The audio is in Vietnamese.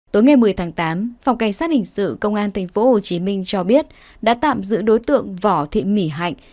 tối ngày một mươi tháng tám phòng cảnh sát hình sự công an tp hcm cho biết đã tạm giữ đối tượng võ thị mỹ hạnh